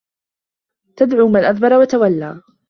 تَدعو مَن أَدبَرَ وَتَوَلّى